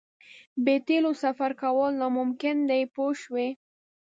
بې تیلو سفر کول ناممکن دي پوه شوې!.